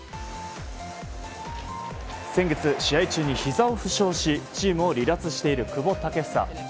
先月、試合中にひざを負傷しチームを離脱している久保建英。